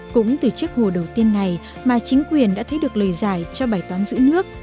cũng từ chiếc hồ đầu tiên này mà chính quyền đã thấy được lời giải cho bài toán giữ nước